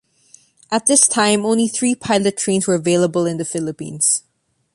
At this time only three pilot trainers were available in the Philippines.